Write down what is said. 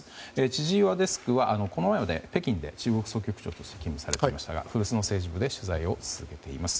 千々岩デスクは、この前まで北京で中国総局長として勤務していましたが古巣の政治部で取材を続けています。